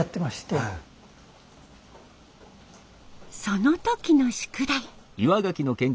その時の宿題。